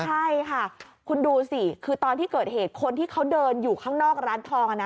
ใช่ค่ะคุณดูสิคือตอนที่เกิดเหตุคนที่เขาเดินอยู่ข้างนอกร้านทองนะ